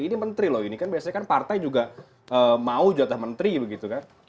ini menteri loh ini kan biasanya kan partai juga mau jatah menteri begitu kan